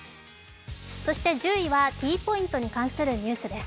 １０位はＴポイントに関するニュースです。